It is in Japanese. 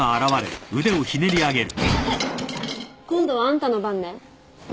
今度はあんたの番ね。